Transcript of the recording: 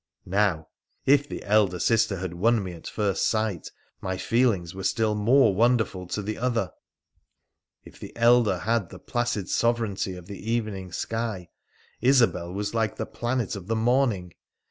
Now, if the elder sister had won me at first sight, my feel ings were still more wonderful to the other. If the elder had the placid sovereignty of the evening star, Isobel was like the planet of the morning.